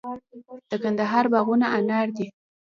د کندهار باغونه انار دي